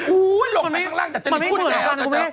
โอ้โหต้องมาดัดสจลิตขนาดนี้